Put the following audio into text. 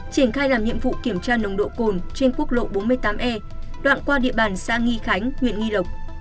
triển khai làm nhiệm vụ kiểm tra nồng độ cồn trên quốc lộ bốn mươi tám e đoạn qua địa bàn xã nghi khánh huyện nghi lộc